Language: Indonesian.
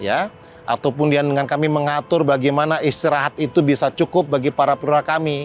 ataupun dengan kami mengatur bagaimana istirahat itu bisa cukup bagi para pura kami